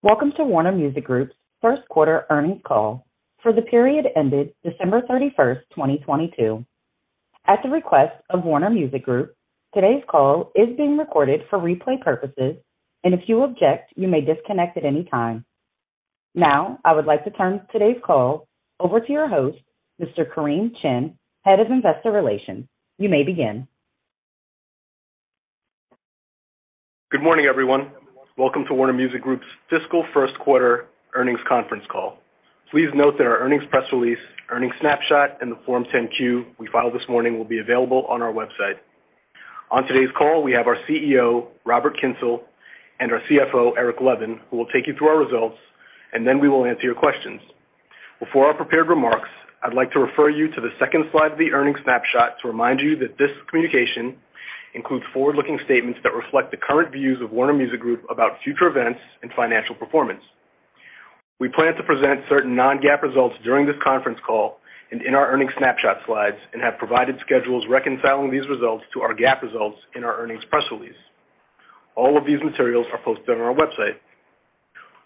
Welcome to Warner Music Group's first quarter earnings call for the period ended December 31st, 2022. At the request of Warner Music Group, today's call is being recorded for replay purposes. If you object, you may disconnect at any time. I would like to turn today's call over to your host, Mr. Kareem Chin, Head of Investor Relations. You may begin. Good morning, everyone. Welcome to Warner Music Group's fiscal first quarter earnings conference call. Please note that our earnings press release, earnings snapshot, and the Form 10-Q we filed this morning will be available on our website. On today's call, we have our CEO Robert Kyncl and our CFO Eric Levin, who will take you through our results, and then we will answer your questions. Before our prepared remarks, I'd like to refer you to the second slide of the earnings snapshot to remind you that this communication includes forward-looking statements that reflect the current views of Warner Music Group about future events and financial performance. We plan to present certain non-GAAP results during this conference call and in our earnings snapshot slides and have provided schedules reconciling these results to our GAAP results in our earnings press release. All of these materials are posted on our website.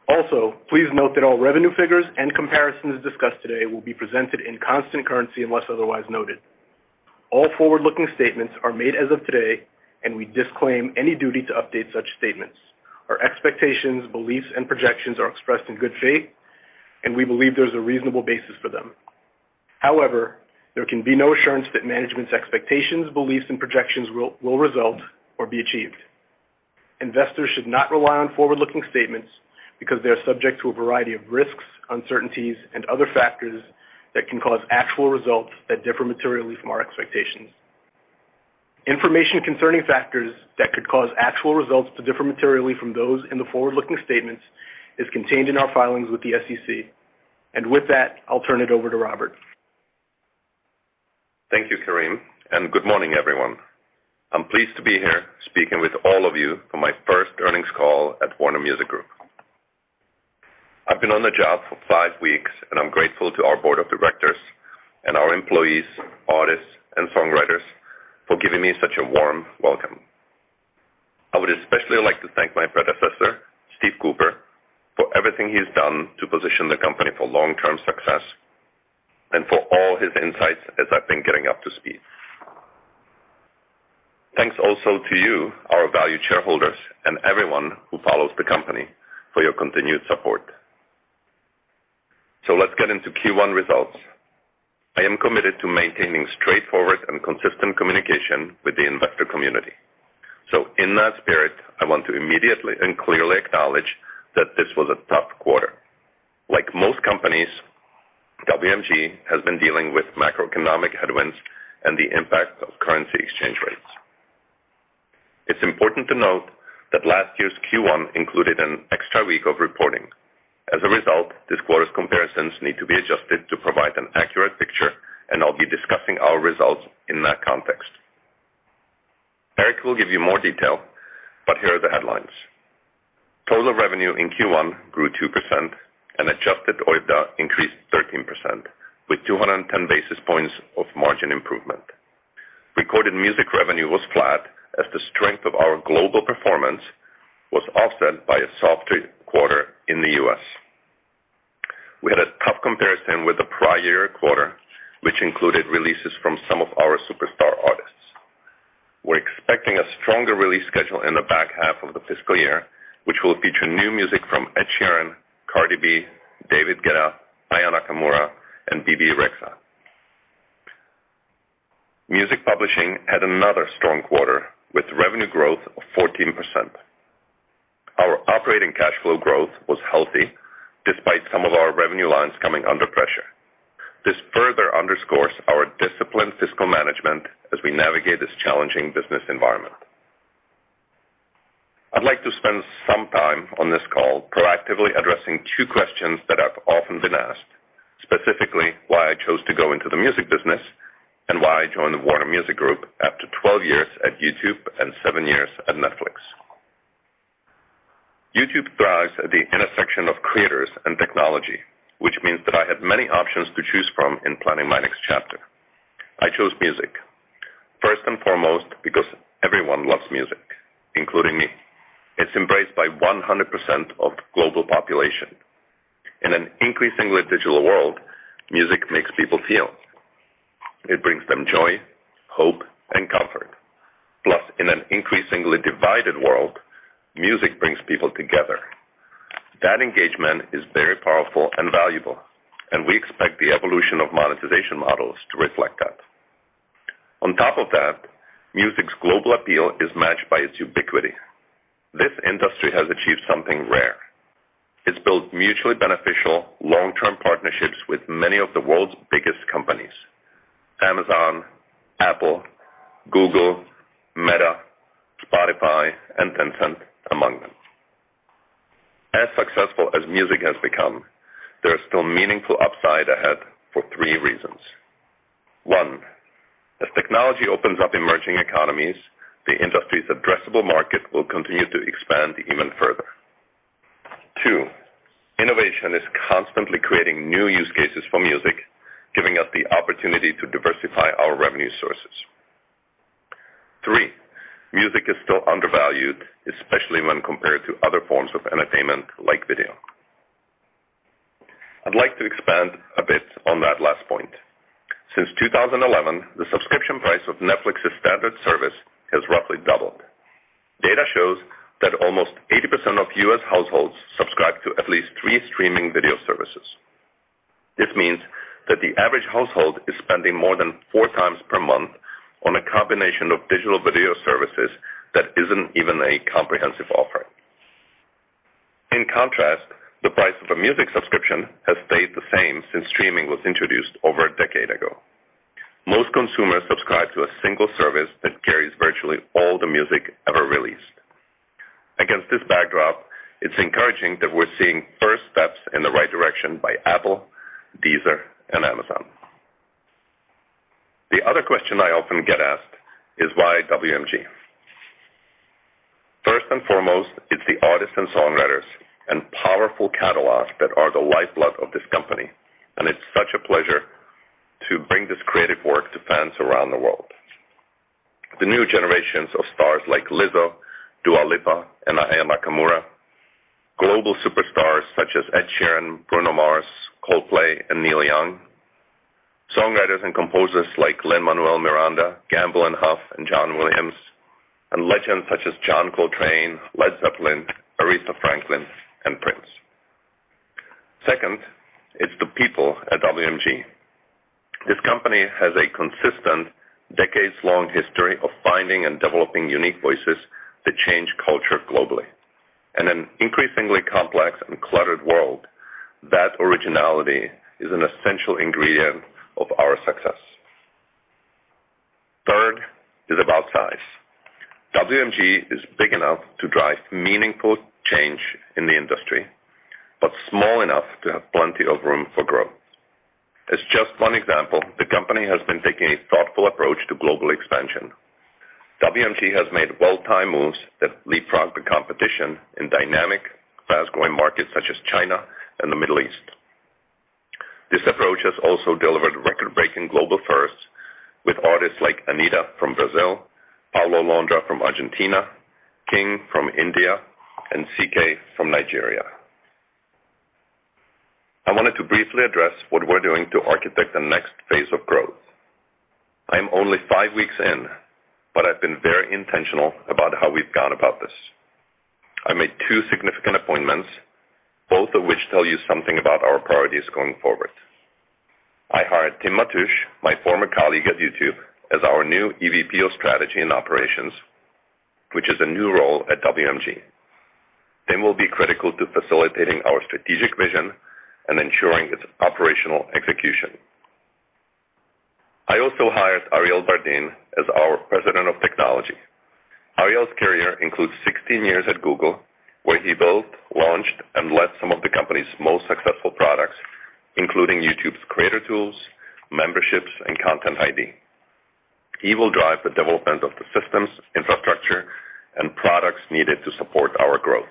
Also, please note that all revenue figures and comparisons discussed today will be presented in constant currency unless otherwise noted. All forward-looking statements are made as of today, and we disclaim any duty to update such statements. Our expectations, beliefs, and projections are expressed in good faith, and we believe there's a reasonable basis for them. However, there can be no assurance that management's expectations, beliefs, and projections will result or be achieved. Investors should not rely on forward-looking statements because they are subject to a variety of risks, uncertainties, and other factors that can cause actual results that differ materially from our expectations. Information concerning factors that could cause actual results to differ materially from those in the forward-looking statements is contained in our filings with the SEC. With that, I'll turn it over to Robert. Thank you, Kareem. Good morning, everyone. I'm pleased to be here speaking with all of you for my first earnings call at Warner Music Group. I've been on the job for five weeks, and I'm grateful to our board of directors and our employees, artists, and songwriters for giving me such a warm welcome. I would especially like to thank my predecessor, Steve Cooper, for everything he's done to position the company for long-term success and for all his insights as I've been getting up to speed. Thanks also to you, our valued shareholders, and everyone who follows the company for your continued support. Let's get into Q1 results. I am committed to maintaining straightforward and consistent communication with the investor community. In that spirit, I want to immediately and clearly acknowledge that this was a tough quarter. Like most companies, WMG has been dealing with macroeconomic headwinds and the impact of currency exchange rates. It's important to note that last year's Q1 included an extra week of reporting. As a result, this quarter's comparisons need to be adjusted to provide an accurate picture, and I'll be discussing our results in that context. Eric will give you more detail. Here are the headlines. Total revenue in Q1 grew 2% and adjusted OIBDA increased 13% with 210 basis points of margin improvement. Recorded music revenue was flat as the strength of our global performance was offset by a softer quarter in the U.S. We had a tough comparison with the prior year quarter, which included releases from some of our superstar artists. We're expecting a stronger release schedule in the back half of the fiscal year, which will feature new music from Ed Sheeran, Cardi B, David Guetta, Aya Nakamura, and Bebe Rexha. Music publishing had another strong quarter with revenue growth of 14%. Our operating cash flow growth was healthy despite some of our revenue lines coming under pressure. This further underscores our disciplined fiscal management as we navigate this challenging business environment. I'd like to spend some time on this call proactively addressing two questions that I've often been asked, specifically why I chose to go into the music business and why I joined the Warner Music Group after 12 years at YouTube and seven years at Netflix. YouTube thrives at the intersection of creators and technology, which means that I had many options to choose from in planning my next chapter. I chose music, first and foremost because everyone loves music, including me. It's embraced by 100% of global population. In an increasingly digital world, music makes people feel. It brings them joy, hope, and comfort. Plus, in an increasingly divided world, music brings people together. That engagement is very powerful and valuable, and we expect the evolution of monetization models to reflect that. On top of that, music's global appeal is matched by its ubiquity. This industry has achieved something rare. It's built mutually beneficial long-term partnerships with many of the world's biggest companies, Amazon, Apple, Google, Meta, Spotify, and Tencent, among them. As successful as music has become, there is still meaningful upside ahead for three reasons. One, as technology opens up emerging economies, the industry's addressable market will continue to expand even further. Two, innovation is constantly creating new use cases for music, giving us the opportunity to diversify our revenue sources. Music is still undervalued, especially when compared to other forms of entertainment, like video. I'd like to expand a bit on that last point. Since 2011, the subscription price of Netflix's standard service has roughly doubled. Data shows that almost 80% of U.S. households subscribe to at least 3 streaming video services. This means that the average household is spending more than 4x per month on a combination of digital video services that isn't even a comprehensive offer. In contrast, the price of a music subscription has stayed the same since streaming was introduced over a decade ago. Most consumers subscribe to a single service that carries virtually all the music ever released. Against this backdrop, it's encouraging that we're seeing first steps in the right direction by Apple, Deezer, and Amazon. The other question I often get asked is, why WMG? First and foremost, it's the artists and songwriters and powerful catalog that are the lifeblood of this company, and it's such a pleasure to bring this creative work to fans around the world. The new generations of stars like Lizzo, Dua Lipa, and Aya Nakamura, global superstars such as Ed Sheeran, Bruno Mars, Coldplay, and Neil Young, songwriters and composers like Lin-Manuel Miranda, Gamble and Huff, and John Williams, and legends such as John Coltrane, Led Zeppelin, Aretha Franklin, and Prince. Second, it's the people at WMG. This company has a consistent decades-long history of finding and developing unique voices that change culture globally. In an increasingly complex and cluttered world, that originality is an essential ingredient of our success. Third is about size. WMG is big enough to drive meaningful change in the industry, but small enough to have plenty of room for growth. As just one example, the company has been taking a thoughtful approach to global expansion. WMG has made well-timed moves that leapfrog the competition in dynamic, fast-growing markets such as China and the Middle East. This approach has also delivered record-breaking global firsts with artists like Anitta from Brazil, Paulo Londra from Argentina, King from India, and CKay from Nigeria. I wanted to briefly address what we're doing to architect the next phase of growth. I'm only five weeks in, but I've been very intentional about how we've gone about this. I made two significant appointments, both of which tell you something about our priorities going forward. I hired Tim Matusch, my former colleague at YouTube, as our new EVP of Strategy & Operations, which is a new role at WMG. Tim will be critical to facilitating our strategic vision and ensuring its operational execution. I also hired Ariel Bardin as our President of Technology. Ariel's career includes 16 years at Google, where he built, launched, and led some of the company's most successful products, including YouTube's creator tools, memberships, and Content ID. He will drive the development of the systems, infrastructure, and products needed to support our growth.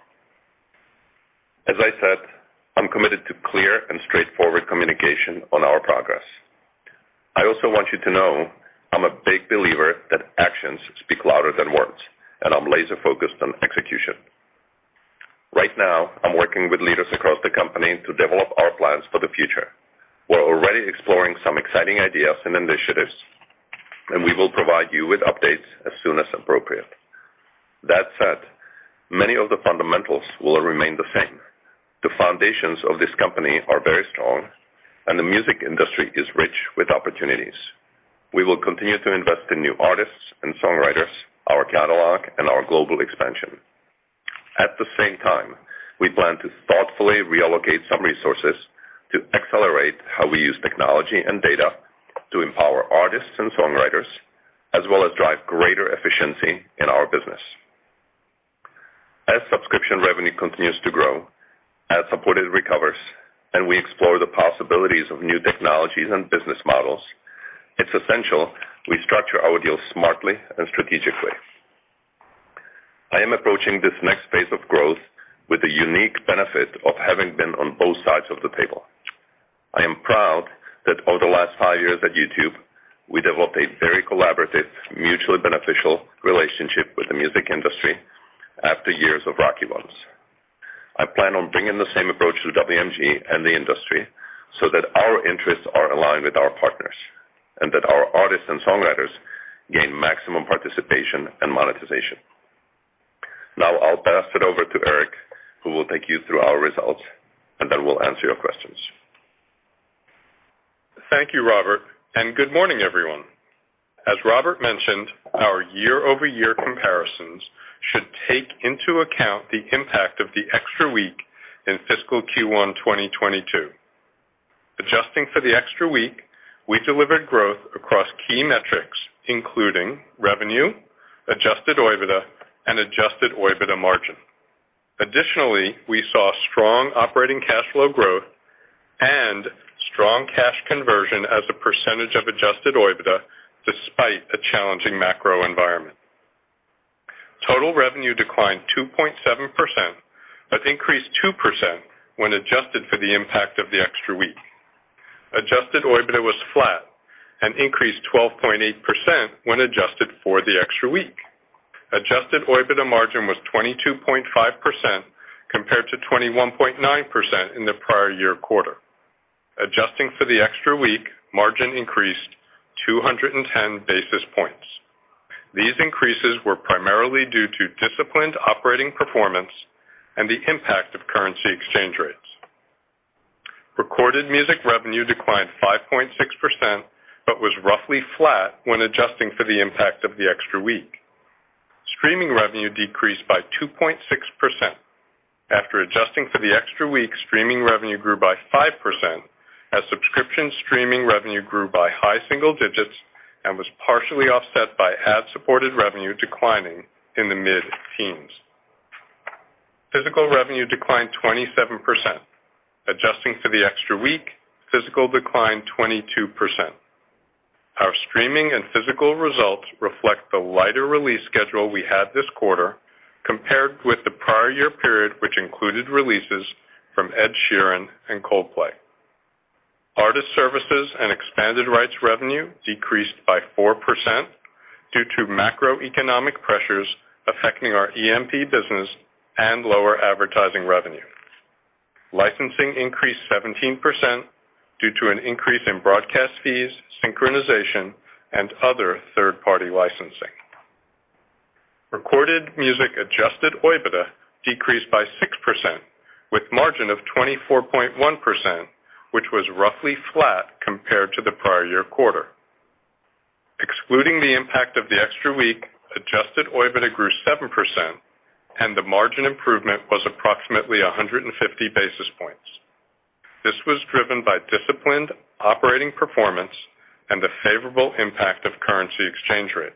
As I said, I'm committed to clear and straightforward communication on our progress. I also want you to know I'm a big believer that actions speak louder than words, and I'm laser-focused on execution. Right now, I'm working with leaders across the company to develop our plans for the future. We're already exploring some exciting ideas and initiatives, and we will provide you with updates as soon as appropriate. That said, many of the fundamentals will remain the same. The foundations of this company are very strong, and the music industry is rich with opportunities. We will continue to invest in new artists and songwriters, our catalog, and our global expansion. At the same time, we plan to thoughtfully reallocate some resources to accelerate how we use technology and data to empower artists and songwriters, as well as drive greater efficiency in our business. As subscription revenue continues to grow, as Spotify recovers, and we explore the possibilities of new technologies and business models, it's essential we structure our deals smartly and strategically. I am approaching this next phase of growth with the unique benefit of having been on both sides of the table. I am proud that over the last five years at YouTube, we developed a very collaborative, mutually beneficial relationship with the music industry after years of rocky roads. I plan on bringing the same approach to WMG and the industry so that our interests are aligned with our partners and that our artists and songwriters gain maximum participation and monetization. Now I'll pass it over to Eric, who will take you through our results, and then we'll answer your questions. Thank you, Robert, and good morning, everyone. As Robert mentioned, our year-over-year comparisons should take into account the impact of the extra week in fiscal Q1 2022. Adjusting for the extra week, we delivered growth across key metrics, including revenue, adjusted OIBDA, and adjusted OIBDA margin. Additionally, we saw strong operating cash flow growth and strong cash conversion as a percentage of adjusted OIBDA despite a challenging macro environment. Total revenue declined 2.7% but increased 2% when adjusted for the impact of the extra week. Adjusted OIBDA was flat and increased 12.8% when adjusted for the extra week. Adjusted OIBDA margin was 22.5% compared to 21.9% in the prior year quarter. Adjusting for the extra week, margin increased 210 basis points. These increases were primarily due to disciplined operating performance and the impact of currency exchange rates. Recorded music revenue declined 5.6%, but was roughly flat when adjusting for the impact of the extra week. Streaming revenue decreased by 2.6%. After adjusting for the extra week, streaming revenue grew by 5% as subscription streaming revenue grew by high single digits and was partially offset by ad-supported revenue declining in the mid-teens. Physical revenue declined 27%. Adjusting for the extra week, physical declined 22%. Our streaming and physical results reflect the lighter release schedule we had this quarter compared with the prior year period, which included releases from Ed Sheeran and Coldplay. Artist services and expanded rights revenue decreased by 4% due to macroeconomic pressures affecting our EMP business and lower advertising revenue. Licensing increased 17% due to an increase in broadcast fees, synchronization, and other third-party licensing. Recorded music adjusted OIBDA decreased by 6% with margin of 24.1%, which was roughly flat compared to the prior year quarter. Excluding the impact of the extra week, adjusted OIBDA grew 7% and the margin improvement was approximately 150 basis points. This was driven by disciplined operating performance and the favorable impact of currency exchange rates.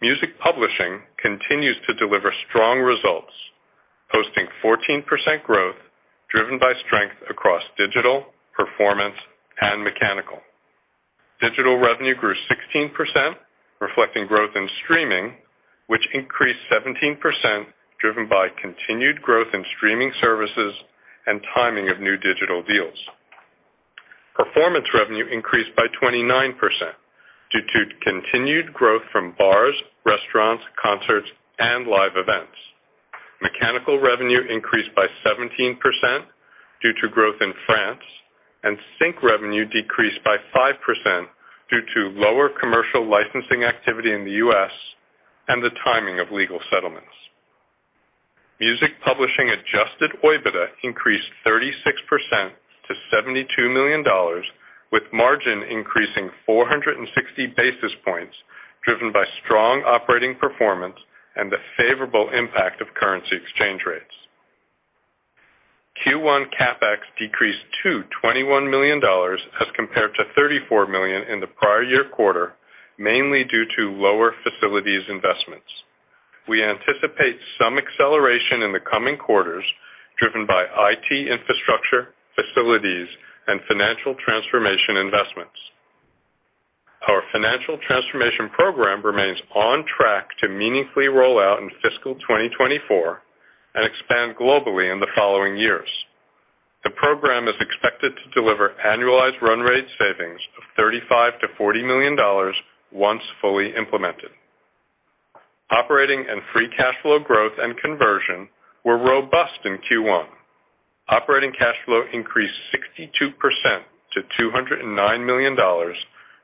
Music publishing continues to deliver strong results, posting 14% growth, driven by strength across digital, performance, and mechanical. Digital revenue grew 16%, reflecting growth in streaming, which increased 17%, driven by continued growth in streaming services and timing of new digital deals. Performance revenue increased by 29% due to continued growth from bars, restaurants, concerts, and live events. Mechanical revenue increased by 17% due to growth in France. Sync revenue decreased by 5% due to lower commercial licensing activity in the U.S. and the timing of legal settlements. Music publishing adjusted OIBDA increased 36% to $72 million, with margin increasing 460 basis points driven by strong operating performance and the favorable impact of currency exchange rates. Q1 CapEx decreased to $21 million as compared to $34 million in the prior-year quarter, mainly due to lower facilities investments. We anticipate some acceleration in the coming quarters, driven by IT infrastructure, facilities, and financial transformation investments. Our financial transformation program remains on track to meaningfully roll out in fiscal 2024 and expand globally in the following years. The program is expected to deliver annualized run rate savings of $35 million-$40 million once fully implemented. Operating and free cash flow growth and conversion were robust in Q1. Operating cash flow increased 62% to $209 million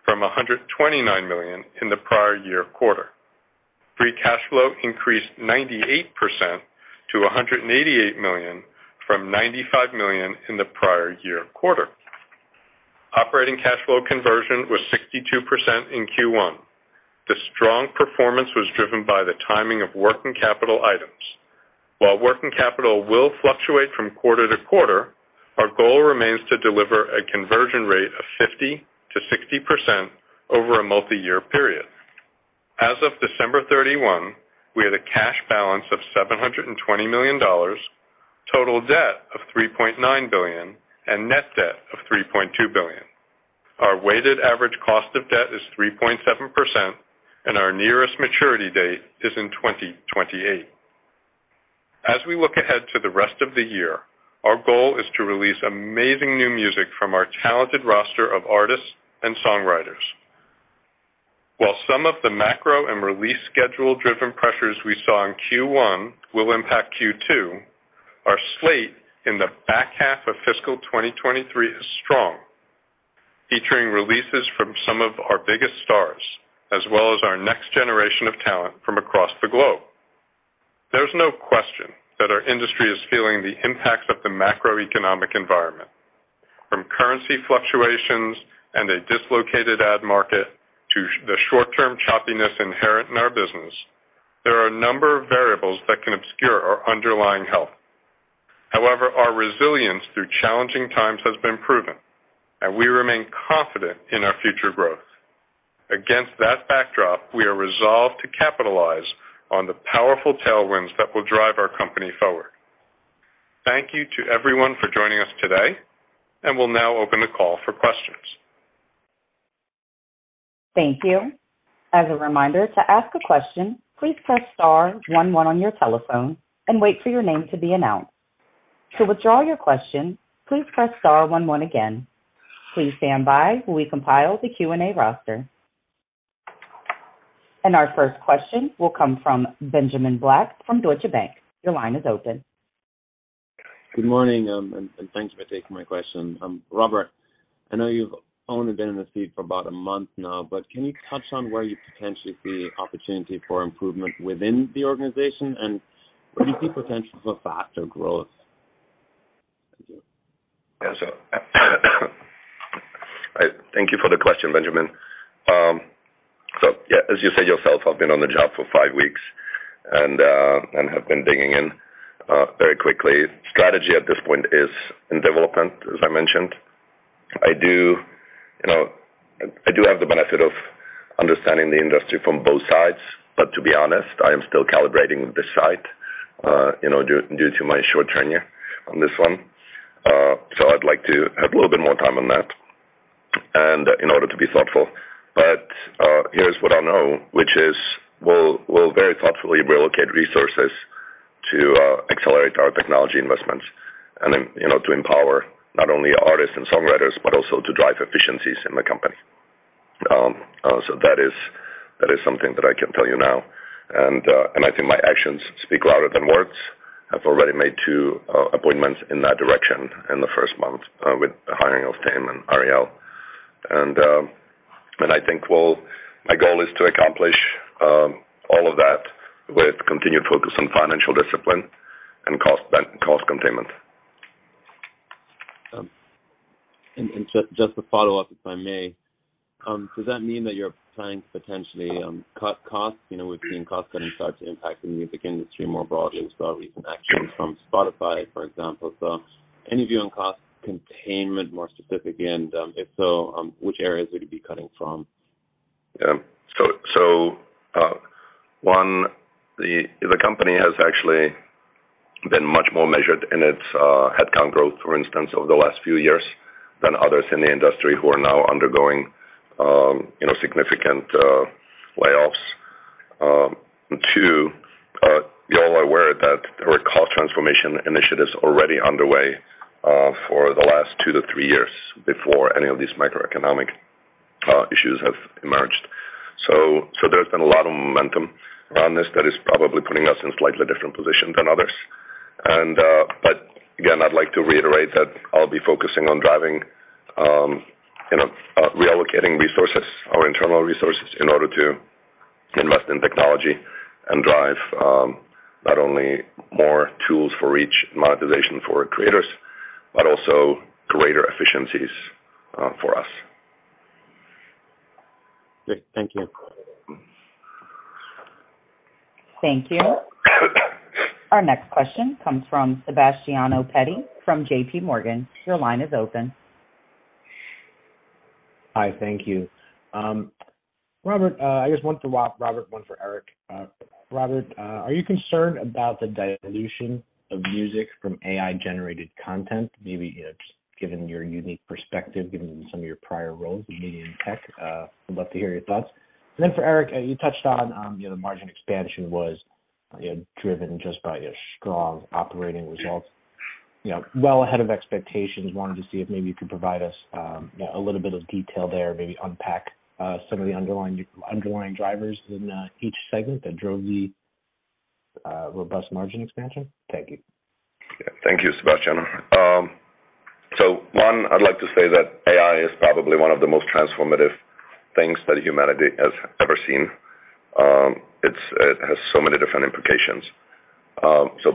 from $129 million in the prior year quarter. Free cash flow increased 98% to $188 million from $95 million in the prior year quarter. Operating cash flow conversion was 62% in Q1. The strong performance was driven by the timing of working capital items. While working capital will fluctuate from quarter to quarter, our goal remains to deliver a conversion rate of 50%-60% over a multi-year period. As of December 31, we had a cash balance of $720 million, total debt of $3.9 billion, and net debt of $3.2 billion. Our weighted average cost of debt is 3.7%, and our nearest maturity date is in 2028. As we look ahead to the rest of the year, our goal is to release amazing new music from our talented roster of artists and songwriters. While some of the macro and release schedule-driven pressures we saw in Q1 will impact Q2, our slate in the back half of fiscal 2023 is strong, featuring releases from some of our biggest stars, as well as our next generation of talent from across the globe. There's no question that our industry is feeling the impacts of the macroeconomic environment. From currency fluctuations and a dislocated ad market to the short-term choppiness inherent in our business, there are a number of variables that can obscure our underlying health. However, our resilience through challenging times has been proven, and we remain confident in our future growth. Against that backdrop, we are resolved to capitalize on the powerful tailwinds that will drive our company forward. Thank you to everyone for joining us today, and we'll now open the call for questions. Thank you. As a reminder to ask a question, please press star one one on your telephone and wait for your name to be announced. To withdraw your question, please press star one one again. Please stand by while we compile the Q&A roster. Our first question will come from Benjamin Black from Deutsche Bank. Your line is open. Good morning, and thanks for taking my question. Robert, I know you've only been in this seat for about a month now, but can you touch on where you potentially see opportunity for improvement within the organization and where do you see potential for faster growth? Thank you. Yeah. I thank you for the question, Benjamin. Yeah, as you said yourself, I've been on the job for five weeks and have been digging in very quickly. Strategy at this point is in development, as I mentioned. I do, you know, I do have the benefit of understanding the industry from both sides, but to be honest, I am still calibrating this side, you know, due to my short tenure on this one. I'd like to have a little bit more time on that and in order to be thoughtful. Here's what I know, which is we'll very thoughtfully relocate resources to accelerate our technology investments and then, you know, to empower not only artists and songwriters, but also to drive efficiencies in the company. That is something that I can tell you now. I think my actions speak louder than words. I've already made two appointments in that direction in the 1st month with the hiring of Tim and Ariel. I think my goal is to accomplish all of that with continued focus on financial discipline and cost containment. Just to follow up, if I may, does that mean that you're planning to potentially cut costs? You know, we've seen cost cutting start to impact the music industry more broadly. We saw recent actions from Spotify, for example. Any view on cost containment more specifically? If so, which areas would you be cutting from? Yeah. One, the company has actually been much more measured in its headcount growth, for instance, over the last few years than others in the industry who are now undergoing, you know, significant layoffs. Two, you all are aware that there were cost transformation initiatives already underway for the last two to three years before any of these macroeconomic issues have emerged. There's been a lot of momentum on this that is probably putting us in slightly different position than others. Again, I'd like to reiterate that I'll be focusing on driving, you know, reallocating resources or internal resources in order to invest in technology and drive not only more tools for reach monetization for creators, but also greater efficiencies for us. Great. Thank you. Thank you. Our next question comes from Sebastiano Petti from JPMorgan. Your line is open. Hi. Thank you. Robert, I just one for Robert, one for Eric. Robert, are you concerned about the dilution of music from AI-generated content? Maybe, you know, just given your unique perspective, given some of your prior roles in media and tech. I'd love to hear your thoughts. For Eric, you touched on, you know, the margin expansion was, you know, driven just by a strong operating results, you know, well ahead of expectations. Wanted to see if maybe you could provide us a little bit of detail there, maybe unpack some of the underlying drivers in each segment that drove the robust margin expansion. Thank you. Yeah. Thank you, Sebastiano. One, I'd like to say that AI is probably one of the most transformative things that humanity has ever seen. It has so many different implications.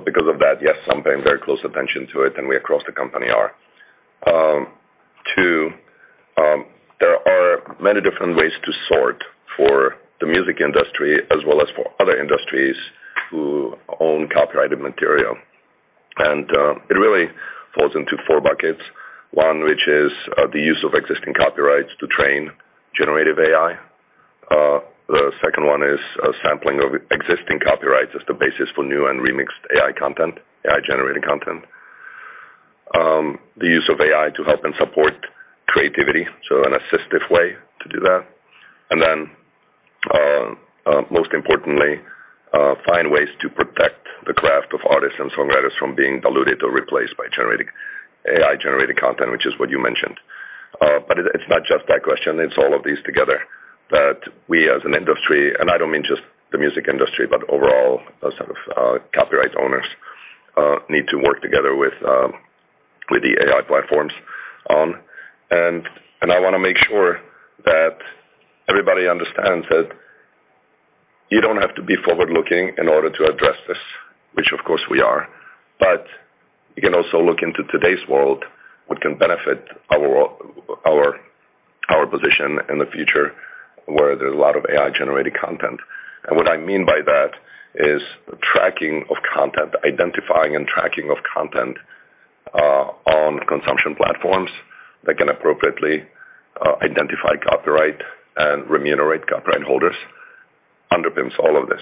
Because of that, yes, I'm paying very close attention to it, and we across the company are. Two, there are many different ways to sort for the music industry as well as for other industries who own copyrighted material. It really falls into 4 buckets. One, which is, the use of existing copyrights to train generative AI. The second one is, sampling of existing copyrights as the basis for new and remixed AI content, AI-generated content. The use of AI to help and support creativity, so an assistive way to do that. Most importantly, find ways to protect the craft of artists and songwriters from being diluted or replaced by generating AI-generated content, which is what you mentioned. It's not just that question, it's all of these together that we as an industry, and I don't mean just the music industry, but overall sort of, copyright owners, need to work together with the AI platforms on. I wanna make sure that everybody understands that you don't have to be forward-looking in order to address this, which of course we are, but you can also look into today's world, which can benefit our position in the future where there's a lot of AI-generated content. t is tracking of content, identifying and tracking of content on consumption platforms that can appropriately identify copyright and remunerate copyright holders. Underpins all of this.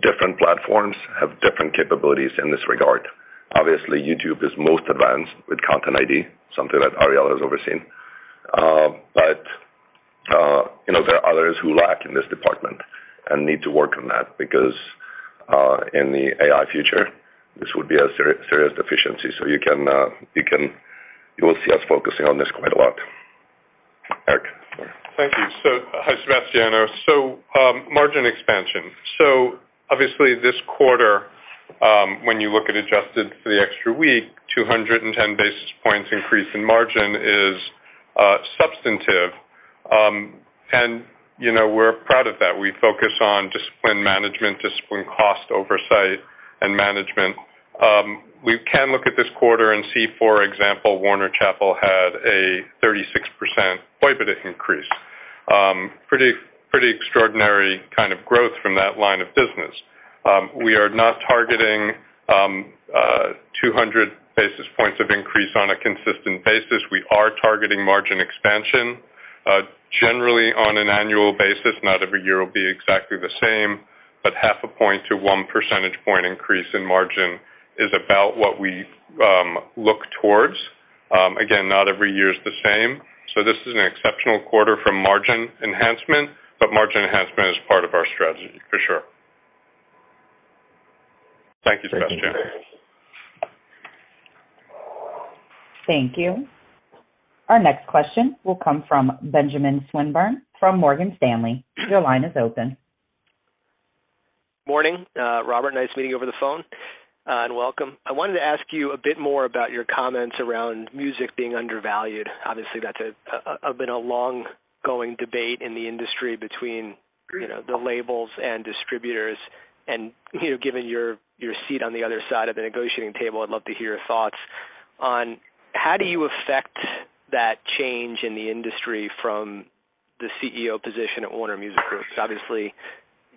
Different platforms have different capabilities in this regard. Obviously, YouTube is most advanced with Content ID, something that Ariel has overseen. But, you know, there are others who lack in this department and need to work on that because in the AI future, this would be a serious deficiency. You will see us focusing on this quite a lot. Eric Thank you. Hi, Sebastiano. Margin expansion. Obviously this quarter, when you look at adjusted for the extra week, 210 basis points increase in margin is substantive. You know, we're proud of that. We focus on discipline management, discipline cost oversight and management. We can look at this quarter and see, for example, Warner Chappell had a 36% EBITDA increase, pretty extraordinary kind of growth from that line of business. We are not targeting 200 basis points of increase on a consistent basis. We are targeting margin expansion, generally on an annual basis. Not every year will be exactly the same, but half a point to one percentage point increase in margin is about what we look towards. Again, not every year is the same. This is an exceptional quarter for margin enhancement, but margin enhancement is part of our strategy for sure. Thank you, Sebastiano. Thank you. Thank you. Our next question will come from Benjamin Swinburne from Morgan Stanley. Your line is open. Morning, Robert. Nice meeting you over the phone, welcome. I wanted to ask you a bit more about your comments around music being undervalued. Obviously, that's been a long going debate in the industry between, you know, the labels and distributors. You know, given your seat on the other side of the negotiating table, I'd love to hear your thoughts on how do you affect that change in the industry from the CEO position at Warner Music Group? Obviously,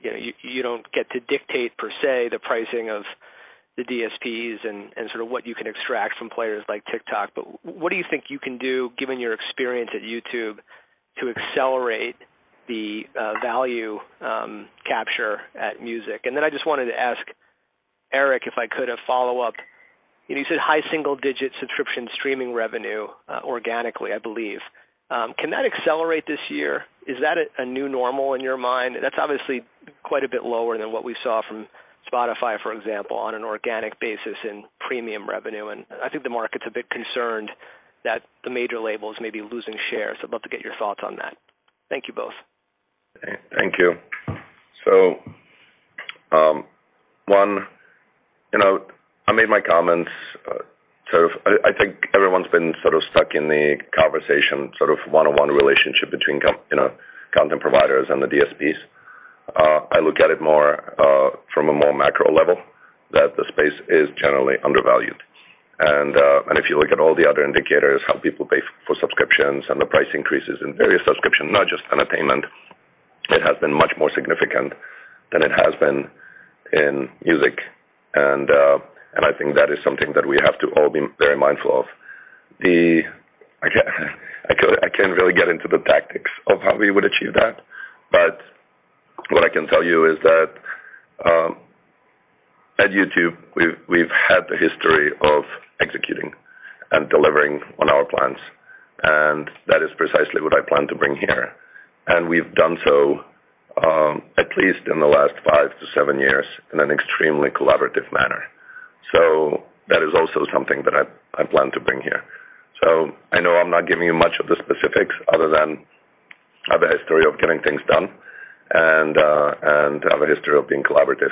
you know, you don't get to dictate per se, the pricing of the DSPs and sort of what you can extract from players like TikTok. What do you think you can do, given your experience at YouTube, to accelerate the value capture at music? I just wanted to ask Eric, if I could have follow up. You said high single digit subscription streaming revenue, organically, I believe. Can that accelerate this year? Is that a new normal in your mind? That's obviously quite a bit lower than what we saw from Spotify, for example, on an organic basis in premium revenue. I think the market's a bit concerned that the major labels may be losing share. I'd love to get your thoughts on that. Thank you both. Thank you. One, you know, I made my comments. I think everyone's been sort of stuck in the conversation, sort of one-on-one relationship between, you know, content providers and the DSPs. I look at it more from a more macro level, that the space is generally undervalued. If you look at all the other indicators, how people pay for subscriptions and the price increases in various subscriptions, not just entertainment, it has been much more significant than it has been in music. I think that is something that we have to all be very mindful of. I can't really get into the tactics of how we would achieve that, but what I can tell you is that at YouTube, we've had a history of executing and delivering on our plans, and that is precisely what I plan to bring here. We've done so, at least in the last five to seven years, in an extremely collaborative manner. That is also something that I plan to bring here. I know I'm not giving you much of the specifics other than I have a history of getting things done and I have a history of being collaborative.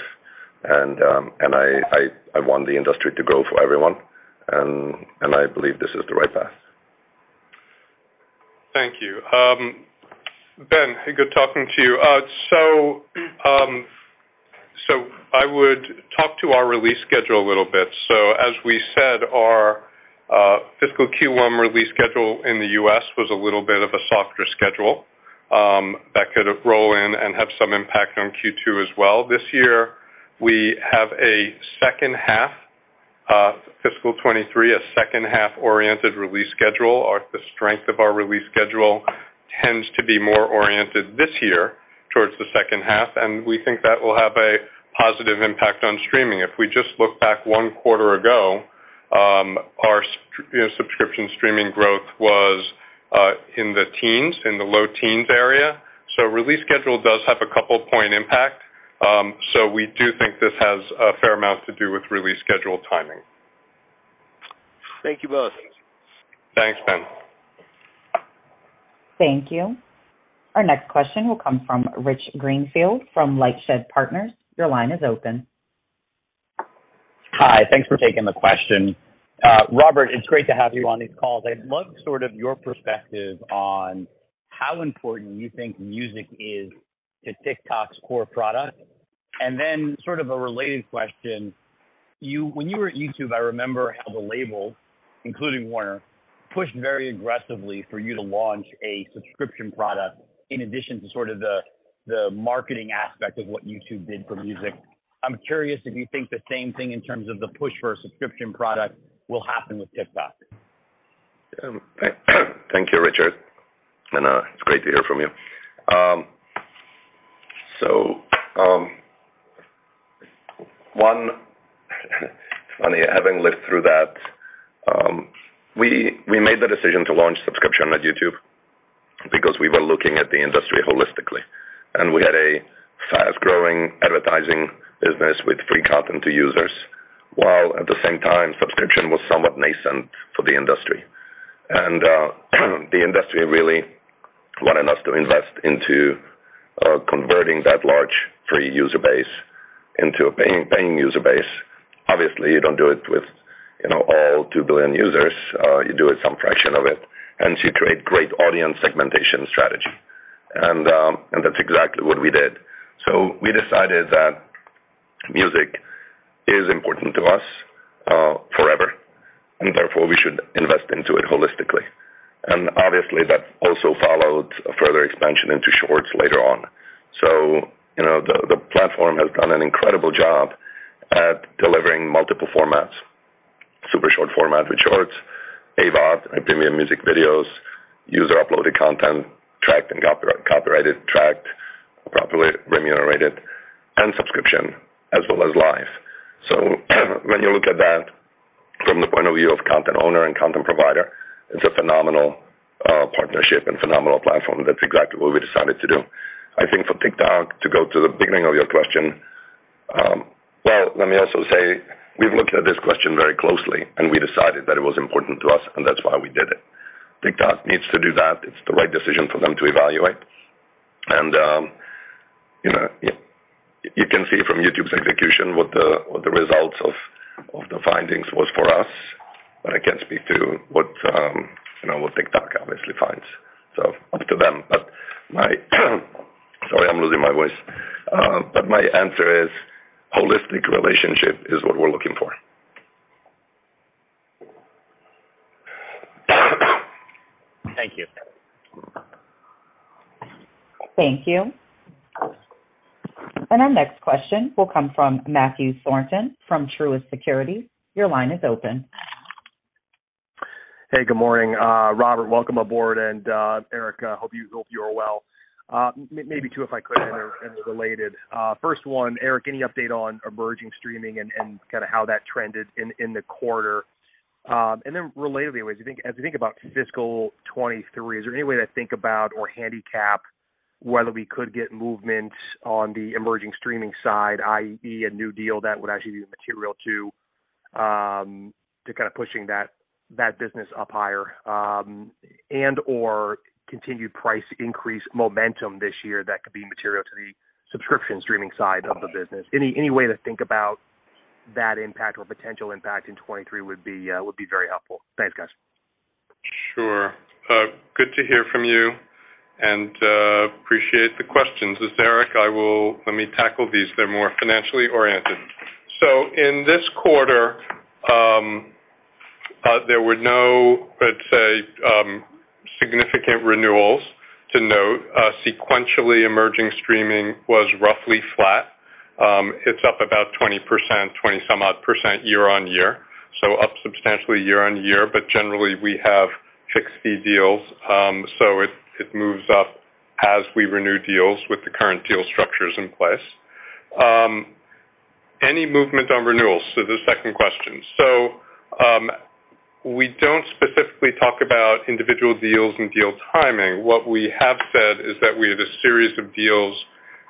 I want the industry to grow for everyone and I believe this is the right path. Thank you. Ben, good talking to you. I would talk to our release schedule a little bit. As we said, our fiscal Q1 release schedule in the U.S. was a little bit of a softer schedule that could roll in and have some impact on Q2 as well. This year we have a second half fiscal 23, a second half-oriented release schedule. The strength of our release schedule tends to be more oriented this year towards the second half, and we think that will have a positive impact on streaming. If we just look back one quarter ago, you know, subscription streaming growth was in the teens, in the low teens area. Release schedule does have a couple point impact. We do think this has a fair amount to do with release schedule timing. Thank you both. Thanks, Ben. Thank you. Our next question will come from Rich Greenfield from LightShed Partners. Your line is open. Hi. Thanks for taking the question. Robert, it's great to have you on these calls. I'd love sort of your perspective on how important you think music is to TikTok's core product. Sort of a related question, when you were at YouTube, I remember how the labels, including Warner, pushed very aggressively for you to launch a subscription product in addition to sort of the marketing aspect of what YouTube did for music. I'm curious if you think the same thing in terms of the push for a subscription product will happen with TikTok? Thank you, Richard. It's great to hear from you. It's funny, having lived through that, we made the decision to launch subscription at YouTube because we were looking at the industry holistically. We had a fast-growing advertising business with free content to users, while at the same time, subscription was somewhat nascent for the industry. The industry really wanted us to invest into converting that large free user base into a paying user base. Obviously, you don't do it with, you know, all two billion users. You do it some fraction of it, and you create great audience segmentation strategy. That's exactly what we did. We decided that music is important to us forever, and therefore we should invest into it holistically. Obviously that also followed a further expansion into Shorts later on. You know, the platform has done an incredible job at delivering multiple formats, super short format with Shorts, AVOD and premium music videos, user-uploaded content, copyrighted, properly remunerated, and subscription as well as Live. When you look at that from the point of view of content owner and content provider, it's a phenomenal partnership and phenomenal platform. That's exactly what we decided to do. I think for TikTok, to go to the beginning of your question, well, let me also say we've looked at this question very closely, and we decided that it was important to us, and that's why we did it. TikTok needs to do that. It's the right decision for them to evaluate. You know, you can see from YouTube's execution what the results of the findings was for us, but I can't speak to what, you know, what TikTok obviously finds. Up to them. My answer is holistic relationship is what we're looking for. Thank you. Thank you. Our next question will come from Matthew Thornton from Truist Securities. Your line is open. Hey, good morning. Robert, welcome aboard. Eric, hope you are well. Maybe two, if I could, and they're related. First one, Eric, any update on emerging streaming and kinda how that trended in the quarter? Relatedly, as you think about fiscal '23, is there any way to think about or handicap whether we could get movement on the emerging streaming side, i.e., a new deal that would actually be material to kind of pushing that business up higher, and/or continued price increase momentum this year that could be material to the subscription streaming side of the business? Any way to think about that impact or potential impact in '23 would be very helpful. Thanks, guys. Sure. Good to hear from you, and appreciate the questions. As Eric, let me tackle these. They're more financially oriented. In this quarter, there were no, I'd say, significant renewals to note. Sequentially, emerging streaming was roughly flat. It's up about 20%, 20 some odd percent year-over-year, so up substantially year-over-year. Generally we have fixed fee deals, so it moves up as we renew deals with the current deal structures in place. Any movement on renewals? The second question. We don't specifically talk about individual deals and deal timing. What we have said is that we have a series of deals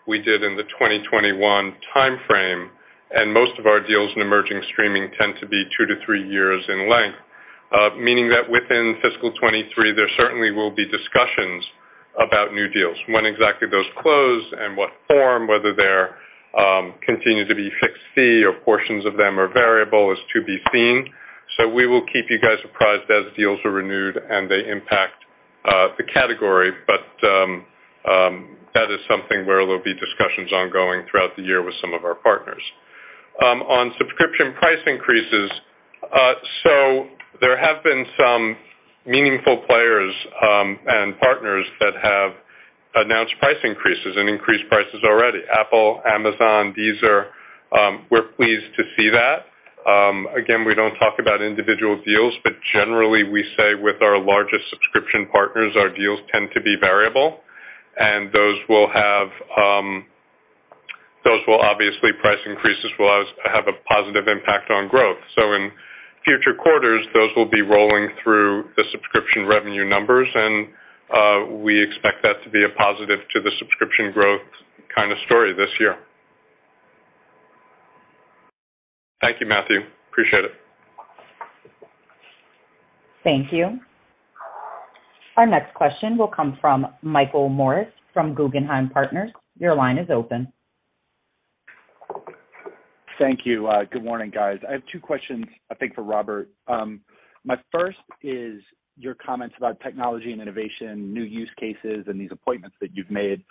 we did in the 2021 timeframe, and most of our deals in emerging streaming tend to be two to three years in length. Meaning that within fiscal 2023, there certainly will be discussions about new deals. When exactly those close and what form, whether they're continue to be fixed fee or portions of them are variable is to be seen. We will keep you guys apprised as deals are renewed and they impact the category. That is something where there'll be discussions ongoing throughout the year with some of our partners. On subscription price increases, there have been some meaningful players and partners that have announced price increases and increased prices already. Apple, Amazon, Deezer, we're pleased to see that. Again, we don't talk about individual deals, but generally we say with our largest subscription partners, our deals tend to be variable, and those will have, those will obviously, price increases will have a positive impact on growth. In future quarters, those will be rolling through the subscription revenue numbers, and we expect that to be a positive to the subscription growth kind of story this year. Thank you, Matthew. Appreciate it. Thank you. Our next question will come from Michael Morris from Guggenheim Securities. Your line is open. Thank you. Good morning, guys. I have two questions, I think, for Robert. My first is your comments about technology and innovation, new use cases, and these appointments that you've made.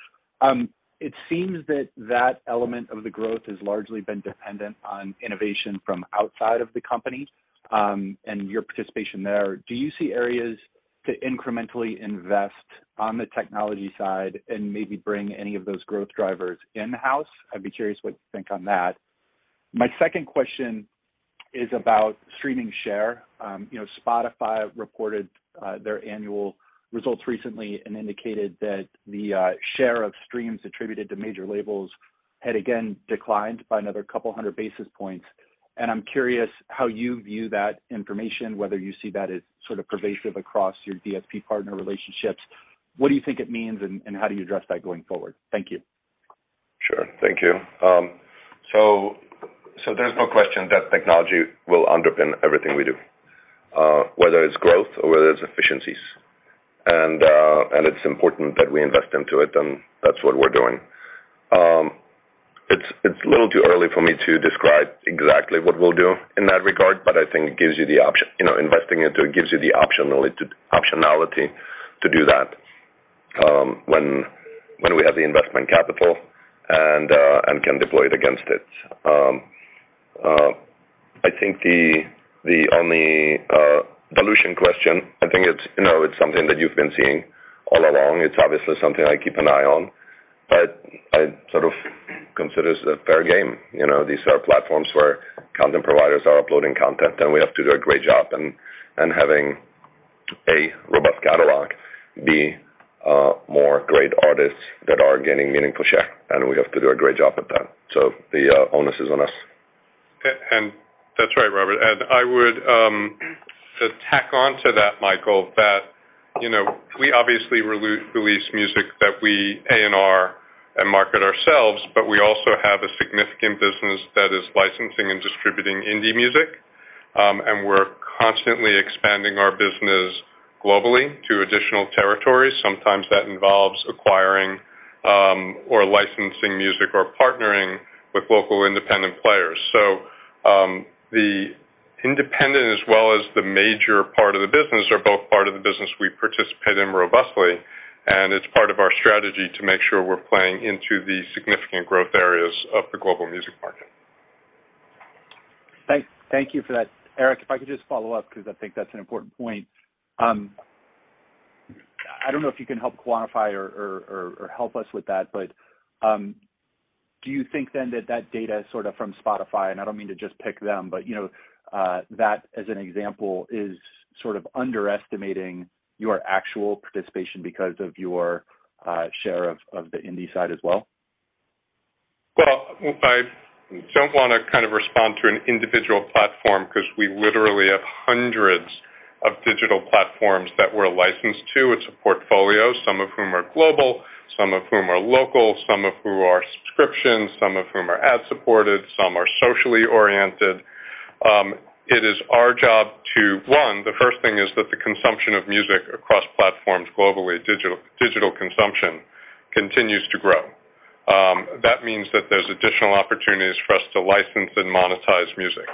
It seems that that element of the growth has largely been dependent on innovation from outside of the company, and your participation there. Do you see areas to incrementally invest on the technology side and maybe bring any of those growth drivers in-house? I'd be curious what you think on that. My second question is about streaming share. You know, Spotify reported their annual results recently and indicated that the share of streams attributed to major labels had again declined by another couple hundred basis points. I'm curious how you view that information, whether you see that as sort of pervasive across your DSP partner relationships. What do you think it means, and how do you address that going forward? Thank you. Sure. Thank you. There's no question that technology will underpin everything we do, whether it's growth or whether it's efficiencies. It's important that we invest into it, and that's what we're doing. It's a little too early for me to describe exactly what we'll do in that regard, but I think it gives you know, investing into it gives you the optionality to do that, when we have the investment capital and can deploy it against it. I think the only dilution question, I think it's, you know, it's something that you've been seeing all along. It's obviously something I keep an eye on, but I sort of consider this a fair game. You know, these are platforms where content providers are uploading content, and we have to do a great job and having a robust catalog, b, more great artists that are gaining meaningful share, and we have to do a great job at that. The onus is on us. That's right, Robert. I would tack on to that, Michael, that, you know, we obviously release music that we A&R and market ourselves, but we also have a significant business that is licensing and distributing indie music. We're constantly expanding our business globally to additional territories. Sometimes that involves acquiring, or licensing music or partnering with local independent players. The independent as well as the major part of the business are both part of the business we participate in robustly, and it's part of our strategy to make sure we're playing into the significant growth areas of the global music market. Thank you for that. Eric, if I could just follow up because I think that's an important point. I don't know if you can help quantify or help us with that, but do you think then that that data sort of from Spotify, and I don't mean to just pick them, but you know, that as an example, is sort of underestimating your actual participation because of your share of the indie side as well? Well, I don't wanna kind of respond to an individual platform because we literally have hundreds of digital platforms that we're licensed to. It's a portfolio, some of whom are global, some of whom are local, some of who are subscriptions, some of whom are ad-supported, some are socially oriented. It is our job to, one, the first thing is that the consumption of music across platforms globally, digital consumption continues to grow. That means that there's additional opportunities for us to license and monetize music.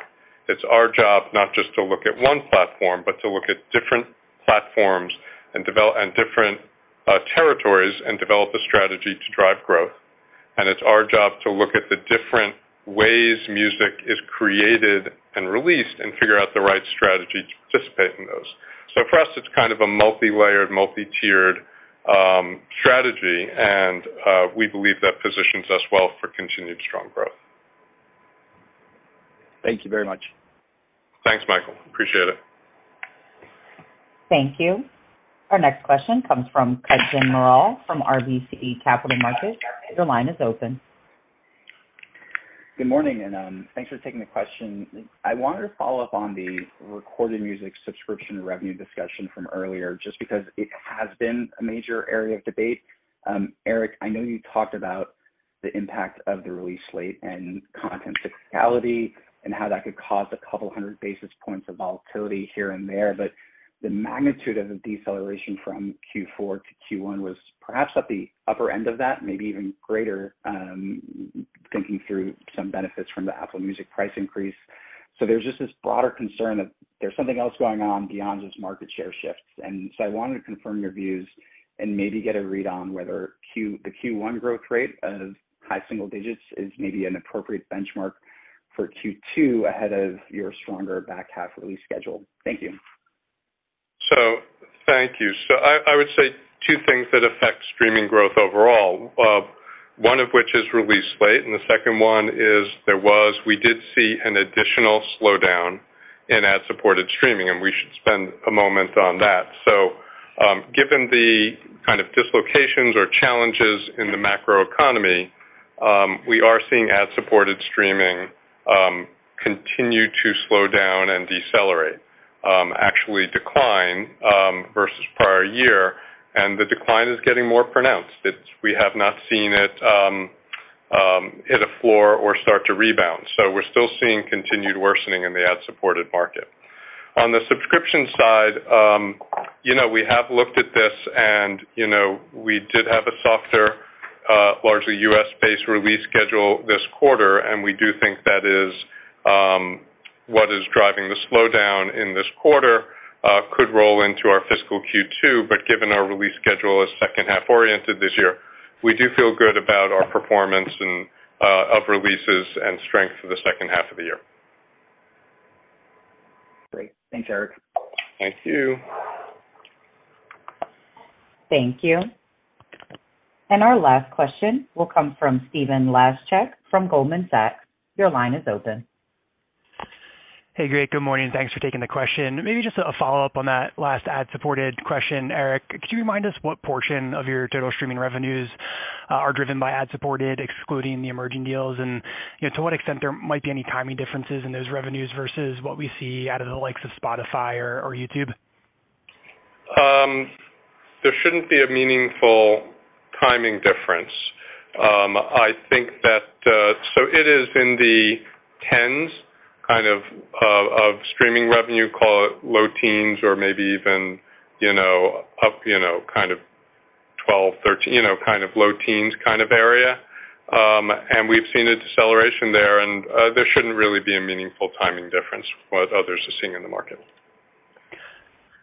It's our job not just to look at one platform, but to look at different platforms and different territories and develop a strategy to drive growth. It's our job to look at the different ways music is created and released and figure out the right strategy to participate in those. For us, it's kind of a multilayered, multi-tiered, strategy, and we believe that positions us well for continued strong growth. Thank you very much. Thanks, Michael. Appreciate it. Thank you. Our next question comes from Kutgun Maral from RBC Capital Markets. Your line is open. Good morning. Thanks for taking the question. I wanted to follow up on the recorded music subscription revenue discussion from earlier, just because it has been a major area of debate. Eric, I know you talked about the impact of the release slate and content physicality and how that could cause a couple hundred basis points of volatility here and there. The magnitude of the deceleration from Q4 to Q1 was perhaps at the upper end of that, maybe even greater, thinking through some benefits from the Apple Music price increase. There's just this broader concern that there's something else going on beyond just market share shifts. I wanted to confirm your views and maybe get a read on whether the Q1 growth rate of high single digits is maybe an appropriate benchmark for Q2 ahead of your stronger back half release schedule. Thank you. Thank you. I would say two things that affect streaming growth overall, one of which is release slate. The second one is we did see an additional slowdown in ad-supported streaming. We should spend a moment on that. Given the kind of dislocations or challenges in the macroeconomy, we are seeing ad-supported streaming continue to slow down and decelerate, actually decline versus prior year. The decline is getting more pronounced. We have not seen it hit a floor or start to rebound. We're still seeing continued worsening in the ad-supported market. On the subscription side, you know, we have looked at this and, you know, we did have a softer, largely U.S.-based release schedule this quarter, and we do think that is what is driving the slowdown in this quarter, could roll into our fiscal Q2. Given our release schedule is second half-oriented this year, we do feel good about our performance and of releases and strength for the second half of the year. Great. Thanks, Eric. Thanks, you. Thank you. Our last question will come from Stephen Laszczyk from Goldman Sachs. Your line is open. Hey, great. Good morning. Thanks for taking the question. Maybe just a follow-up on that last ad-supported question. Eric, could you remind us what portion of your total streaming revenues are driven by ad-supported, excluding the emerging deals? You know, to what extent there might be any timing differences in those revenues versus what we see out of the likes of Spotify or YouTube? There shouldn't be a meaningful timing difference. I think that it is in the 10s kind of streaming revenue, call it low 10s or maybe even, you know, up, you know, kind of 12, 13, you know, kind of low 10s kind of area. We've seen a deceleration there shouldn't really be a meaningful timing difference what others are seeing in the market.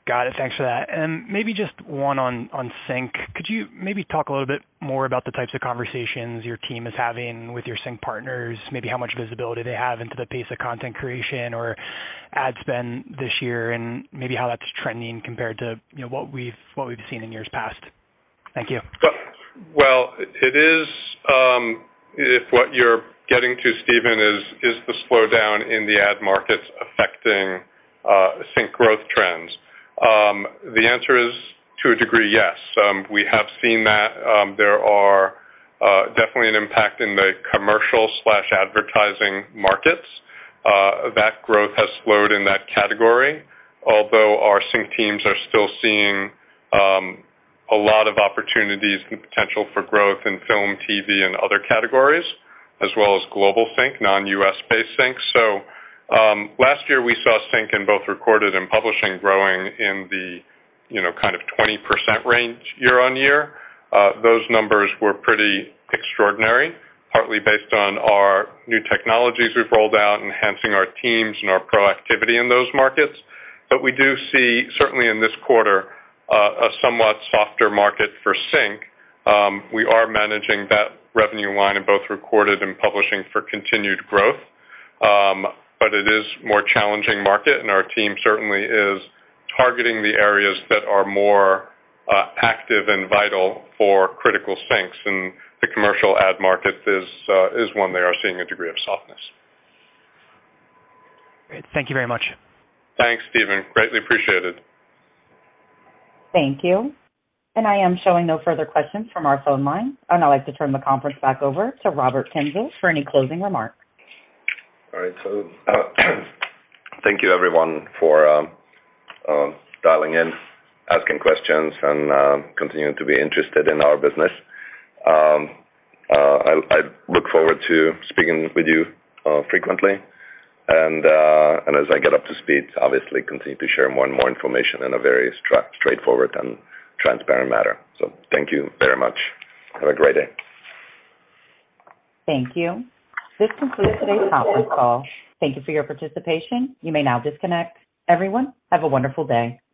Got it. Thanks for that. Maybe just one on sync. Could you maybe talk a little bit more about the types of conversations your team is having with your sync partners, maybe how much visibility they have into the pace of content creation or ad spend this year, and maybe how that's trending compared to, you know, what we've seen in years past? Thank you. It is, if what you're getting to, Steven, is the slowdown in the ad markets affecting sync growth trends. The answer is to a degree, yes. We have seen that there is definitely an impact in the commercial/advertising markets. That growth has slowed in that category. Although our sync teams are still seeing a lot of opportunities and potential for growth in film, TV and other categories, as well as global sync, non-U.S.-based sync. Last year we saw sync in both recorded and publishing growing in the, you know, kind of 20% range year-over-year. Those numbers were pretty extraordinary, partly based on our new technologies we've rolled out, enhancing our teams and our proactivity in those markets. We do see, certainly in this quarter, a somewhat softer market for sync. We are managing that revenue line in both recorded and publishing for continued growth. It is more challenging market, and our team certainly is targeting the areas that are more active and vital for critical syncs. The commercial ad market is one they are seeing a degree of softness. Great. Thank you very much. Thanks, Steven. Greatly appreciated. Thank you. I am showing no further questions from our phone lines. I'd like to turn the conference back over to Robert Kyncl for any closing remarks. All right. Thank you everyone for dialing in, asking questions and continuing to be interested in our business. I look forward to speaking with you frequently. As I get up to speed, obviously continue to share more and more information in a very straightforward and transparent manner. Thank you very much. Have a great day. Thank you. This concludes today's conference call. Thank you for your participation. You may now disconnect. Everyone, have a wonderful day.